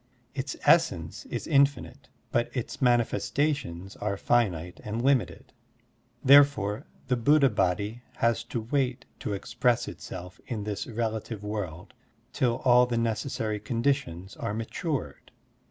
Its essence is infinite, but its manifestations are finite and limited. Therefore, the Buddha Body has to wait to express itself in this relative world till all the necessary conditions are matured.